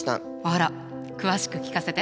あら詳しく聞かせて！